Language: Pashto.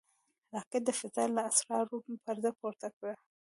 راکټ د فضا له اسرارو پرده پورته کړه